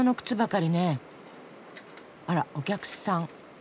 あらお客さん。